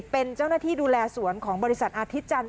เป็นเจ้าหน้าที่ดูแลสวนของบริษัทอาทิตย์จันท